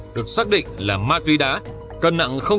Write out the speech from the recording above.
được xác định là ma túy đá cân nặng hai mươi tám g